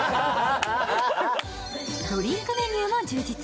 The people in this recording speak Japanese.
ドリンクメニューも充実。